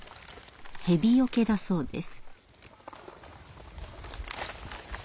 ヘビよけだそうです。